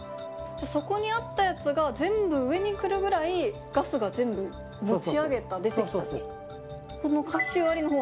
そこにあったやつが全部上に来るぐらい、ガスが全部持ち上げた、出てきた。